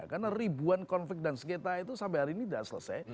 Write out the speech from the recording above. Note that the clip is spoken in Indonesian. karena ribuan konflik dan sengkita itu sampai hari ini tidak selesai